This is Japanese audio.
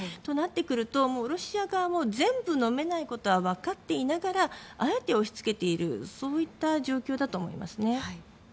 となってくると、ロシア側も全部飲めないことは分かっていながらあえて押し付けているそういった状況だと思います。